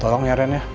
tolong ya ren ya